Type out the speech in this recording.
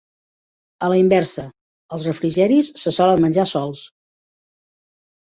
A la inversa, els refrigeris se solen menjar sols.